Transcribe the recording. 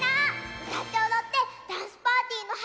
うたっておどってダンスパーティーのはじまりだよ！